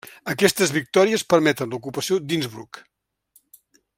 Aquestes victòries permeten l'ocupació d'Innsbruck.